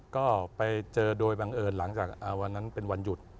ก็ไปเจอโดยบังเอิญหลังจากวันนั้นเป็นวันหยุด